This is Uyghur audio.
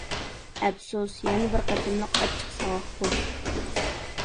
ئەپسۇس، يەنە بىر قېتىملىق ئاچچىق ساۋاق بوپتۇ.